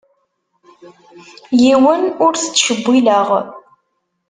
Yiwen ur t-ttcewwileɣ.